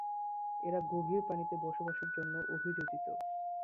এরা গভীর পানিতে বসবাসের জন্য অভিযোজিত।